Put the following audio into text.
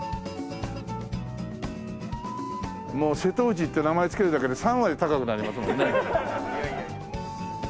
もう「瀬戸内」って名前つけるだけで３割高くなりますもんね。